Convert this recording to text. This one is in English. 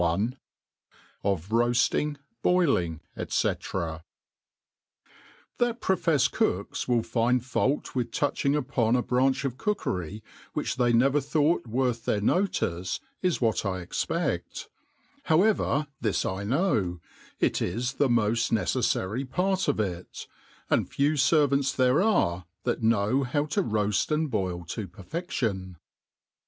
CHAP. I 0/ R O A S T I N G, BOILING, ^c. THAT profefled copies will find fault with touching opoa a branch of cookn'y which they never thought worth tbeir notice, is what I expedl : however, this I know, it 19 the mofl neceiTary part of it ; and few fervants there are, ttiat know how to roaft and boil to perfedion.